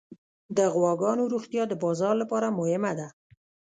د غواګانو روغتیا د بازار لپاره مهمه ده.